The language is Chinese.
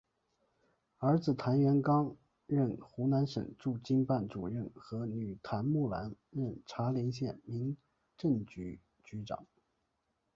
儿子谭元刚任湖南省驻京办主任和女谭木兰任茶陵县民政局局长。